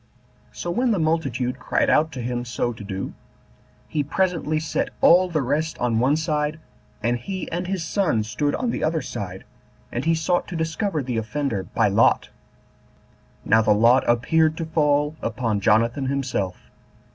So when the multitude cried out to him so to do, he presently set all the rest on one side, and he and his son stood on the other side, and he sought to discover the offender by lot. Now the lot appeared to fall upon Jonathan himself.